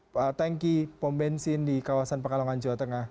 tentang tanki pom bensin di kawasan pakalongan jawa tengah